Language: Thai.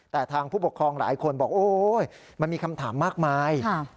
แต่ทางผู้ปกครองหลายคนบอกโอ๊ยมันมีคำถามมากมาย